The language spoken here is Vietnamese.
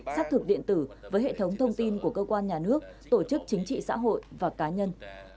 xác thực điện tử với hệ thống thông tin của cơ quan nhà nước tổ chức chính trị xã hội và cá nhân